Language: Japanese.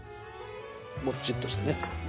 もっちっとしてね。